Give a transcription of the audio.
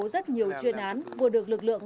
rất nhiều chuyên án vừa được lực lượng